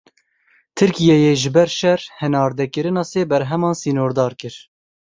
Tirkiyeyê ji ber şer, hinardekirina sê berheman sînordar kir.